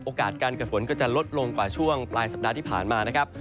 การเกิดฝนก็จะลดลงกว่าช่วงปลายสัปดาห์ที่ผ่านมานะครับ